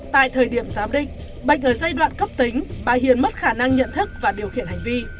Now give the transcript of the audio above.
tại thời điểm giám định bệnh ở giai đoạn cấp tính bà hiền mất khả năng nhận thức và điều khiển hành vi